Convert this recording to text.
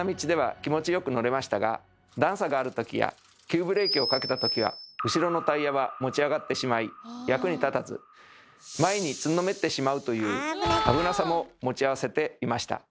段差があるときや急ブレーキをかけたときは後ろのタイヤは持ち上がってしまい役に立たず前につんのめってしまうという危なさも持ち合わせていました。